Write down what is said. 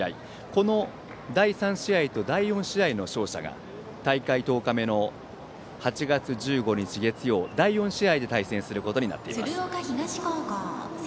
この第３試合と第４試合の勝者が大会１０日目の８月１５日、月曜第４試合で対戦することになっています。